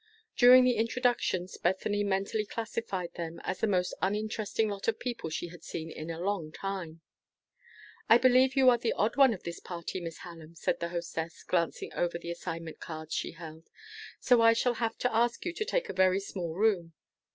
During the introductions, Bethany mentally classified them as the most uninteresting lot of people she had seen in a long time. "I believe you are the odd one of this party, Miss Hallam," said the hostess, glancing over the assignment cards she held; "so I shall have to ask you to take a very small room.